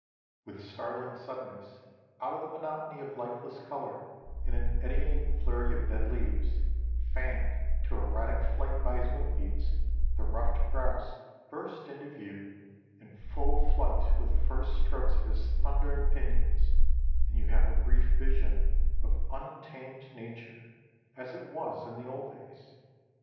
With startling suddenness out of the monotony of lifeless color in an eddying flurry of dead leaves, fanned to erratic flight by his wing beats, the ruffed grouse bursts into view, in full flight with the first strokes of his thundering pinions, and you have a brief vision of untamed nature as it was in the old days.